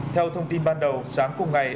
theo thông tin ban đầu sáng cùng ngày